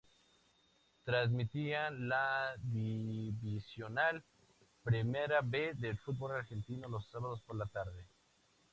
Transmitían la divisional Primera B del fútbol argentino los sábados por la tarde.